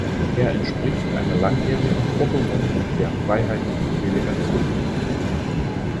Er entspricht einer langjährigen Forderung der Freiheitlichen Delegation.